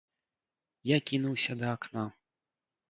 Я кінуўся да акна.